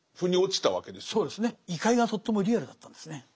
異界がとってもリアルだったんですね。